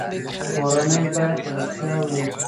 کورنۍ باید رښتیا وي.